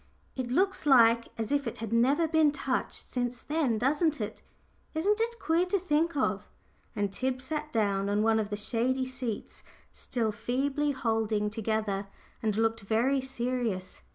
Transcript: It looks like as if it had never been touched since then doesn't it? Isn't it queer to think of?" and Tib sat down on one of the shady seats, still feebly holding together, and looked very serious.